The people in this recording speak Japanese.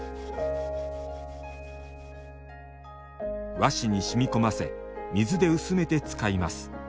和紙にしみ込ませ水で薄めて使います。